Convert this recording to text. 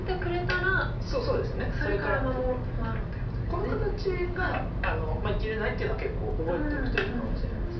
この形が生きれないっていうのは結構覚えておくといいかもしれません。